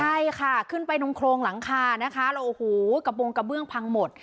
ใช่ค่ะขึ้นไปตรงโครงหลังคานะคะแล้วโอ้โหกระบงกระเบื้องพังหมด